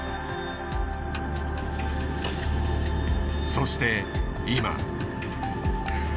そして今。